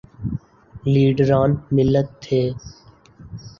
لیڈران ملت تھے۔